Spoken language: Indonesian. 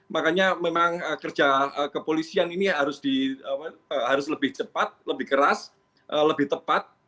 makanya memang kerja kepolisian ini harus lebih cepat lebih keras lebih tepat